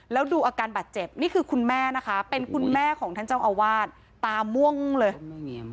แล้วดูอาการบาดเจ็บนี่คือคุณแม่นะคะเป็นคุณแม่ของท่านเจ้าอาวาสตาม่วงเลย